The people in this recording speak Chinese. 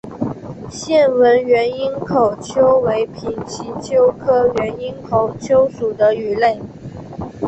线纹原缨口鳅为平鳍鳅科原缨口鳅属的鱼类。